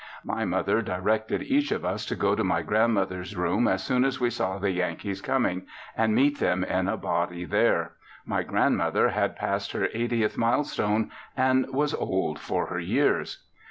My mother directed each of us to go to my grandmother's room as soon as we saw the Yankees coming, and meet them in a body there. My grandmother had passed her eightieth mile stone and was old for her years.